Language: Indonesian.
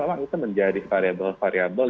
memang itu menjadi variable variable